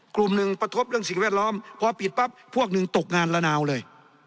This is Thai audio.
กลุ่มหนึ่งกระทบเรื่องสิ่งแวดล้อมพอปิดปั๊บพวกหนึ่งตกงานละนาวเลย